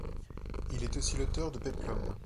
Il est aussi l'auteur de péplums.